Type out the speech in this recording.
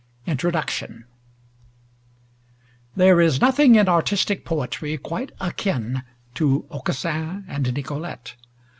INTRODUCTION There is nothing in artistic poetry quite akin to "Aucassin and Nicolete."